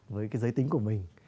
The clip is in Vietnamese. với cái giới tính của mình